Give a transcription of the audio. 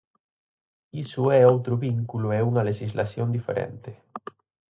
Iso é outro vínculo e unha lexislación diferente.